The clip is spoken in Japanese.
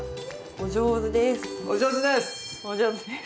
お上手です！